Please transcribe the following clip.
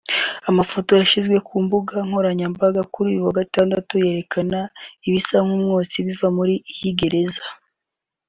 Amafoto yashyizwe ku mbuga nkoranyambanga ku wa Gatandatu yerekana ibisa n’umwotsi uva muri iyi gereza